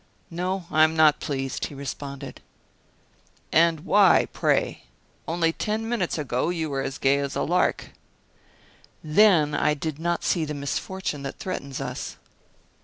"No, I am not pleased," he responded. "And why, pray? Only ten minutes ago you were as gay as a lark." "Then I did not see the misfortune that threatens us."